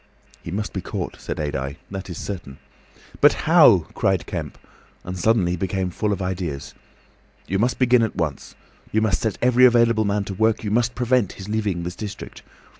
"He must be caught," said Adye. "That is certain." "But how?" cried Kemp, and suddenly became full of ideas. "You must begin at once. You must set every available man to work; you must prevent his leaving this district.